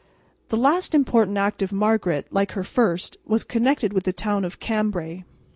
The last important act of Margaret, like her first, was connected with the town of Cambray.